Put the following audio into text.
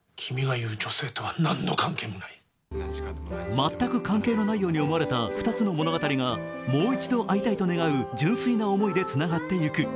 全く関係のないように思われた２つの物語がもう一度会いたいと願う純粋な思いでつながっていく。